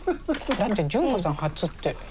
だって潤子さん初って。